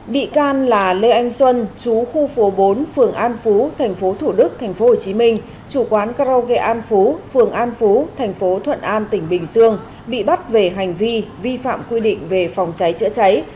bị can là lê anh xuân chú khu phố bốn phường an phú thành phố thủ đức thành phố hồ chí minh chủ quán karoke an phú phường an phú thành phố thuận an tỉnh bình dương bị bắt về hành vi vi phạm quy định về phòng cháy chữa cháy